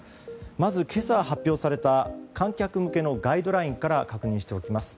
まず今朝、発表された観客向けのガイドラインから確認しておきます。